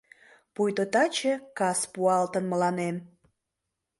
Пуйто таче кас пуалтын мыланем